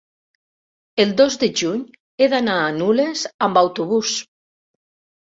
El dos de juny he d'anar a Nules amb autobús.